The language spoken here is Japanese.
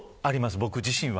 僕自身は。